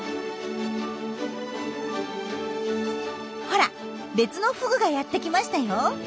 ほら別のフグがやってきましたよ。